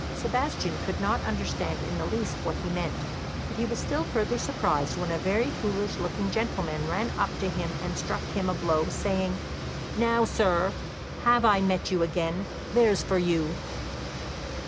Sebastian could not understand in the least what he meant, but he was still further surprised when a very foolish looking gentleman ran up to him, and struck him a blow, saying: "Now, sir, have I met you again? There's for you!"